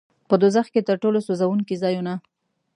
په دوزخ کې تر ټولو سوځوونکي ځایونه.